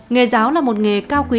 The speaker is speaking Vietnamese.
nghề giáo là một nghề cao quý